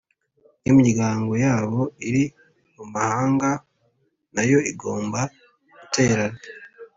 nkimiryango yabo iri mumahanga nayo igomba guterana